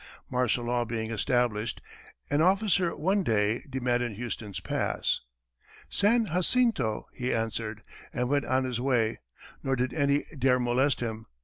Martial law being established, an officer one day demanded Houston's pass. "San Jacinto," he answered, and went on his way, nor did any dare molest him.